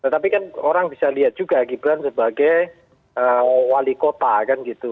tapi kan orang bisa lihat juga gibran sebagai wali kota kan gitu